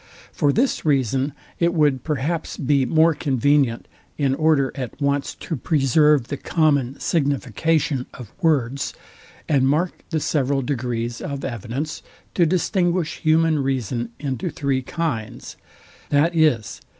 For this reason, it would perhaps be more convenient, in order at once to preserve the common signification of words, and mark the several degrees of evidence, to distinguish human reason into three kinds, viz.